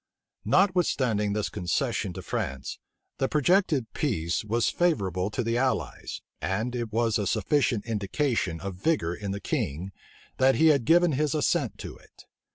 Notwithstanding this concession to France, the projected peace was favorable to the allies, and it was a sufficient indication of vigor in the king, that he had given his assent to it.